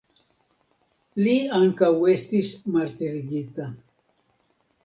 Li ankaŭ estis martirigita.